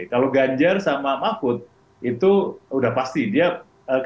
kalau ganjar sama mahfud itu udah pasti dia menarik